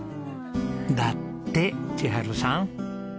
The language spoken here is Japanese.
だって千春さん。